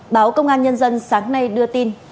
báo công an nhân dân sáng nay đưa tin